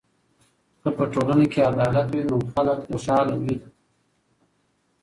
که په ټولنه کې عدالت وي نو خلک خوشحاله وي.